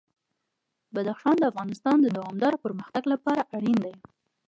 بدخشان د افغانستان د دوامداره پرمختګ لپاره اړین دي.